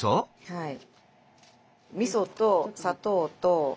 はい。